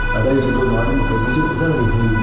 và đây chúng tôi nói với một cái ví dụ rất là hình hình